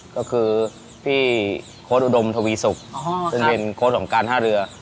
ก็คือพี่โค้ดอุดมทวีสุกซึ่งเป็นโค้ดของการท่าเรือ